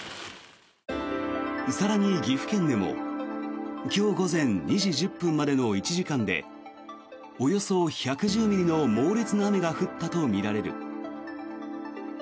更に、岐阜県でも今日午前２時１０分までの１時間でおよそ１１０ミリの猛烈な雨が降ったとみられる。